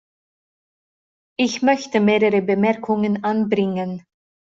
Ich möchte mehrere Bemerkungen anbringen.